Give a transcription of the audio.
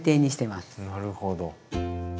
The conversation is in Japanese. なるほど。